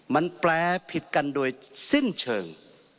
มันแปลผิดกันโดยสิ้นเชิง